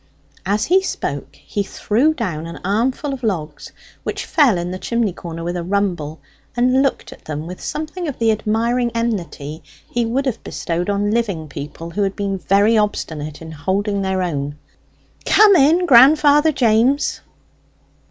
As he spoke he threw down an armful of logs which fell in the chimney corner with a rumble, and looked at them with something of the admiring enmity he would have bestowed on living people who had been very obstinate in holding their own. "Come in, grandfather James."